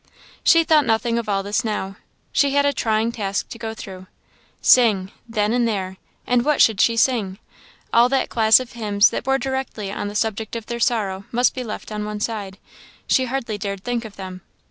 She thought nothing of all this now; she had a trying task to go through. Sing! then and there! And what should she sing? All that class of hymns that bore directly on the subject of their sorrow must be left on one side; she hardly dared think of them.